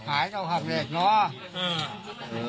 ค่าครูคนละ๔หมื่น